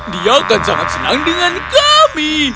dia akan sangat senang dengan kami